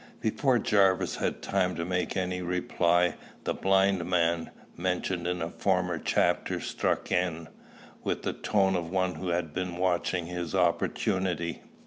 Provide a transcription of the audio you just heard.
Before Jarvis had time to make any reply, the blind man, mentioned in a former chapter, struck in, with the tone of one who had been watching his opportunity.